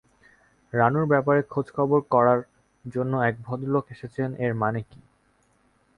রানুর ব্যাপারে খোঁজখবর করার জন্যে এক ভদ্রলোক এসেছেন-এর মানে কী?